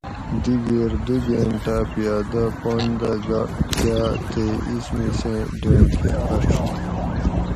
دِگیر دُو گینٹاٞ پیادہ پن دہ گاٞ تے اِس مِسیں ڈیۡنڑ کٞہ پٞھݭ